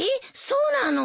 そうなの！？